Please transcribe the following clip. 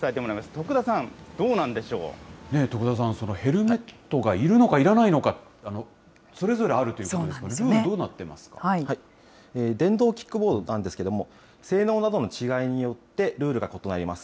徳田さん、どうな徳田さん、ヘルメットがいるのかいらないのか、それぞれあるということなんですが、ルールは電動キックボードなんですけども、性能などの違いによって、ルールが異なります。